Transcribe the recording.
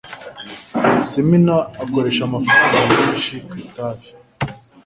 Simina akoresha amafaranga menshi ku itabi.